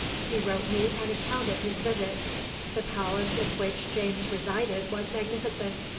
He wrote me an account of his visit. The palace in which James resided was magnificent.